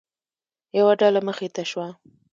یوه ډله مخې ته شوه.